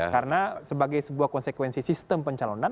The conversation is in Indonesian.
karena sebagai sebuah konsekuensi sistem pencalonan